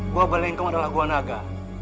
buah balengkong adalah gua naga